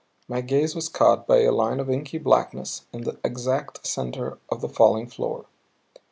My gaze was caught by a line of inky blackness in the exact center of the falling floor.